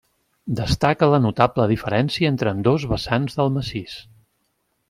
Destaca la notable diferència entre ambdós vessants del massís.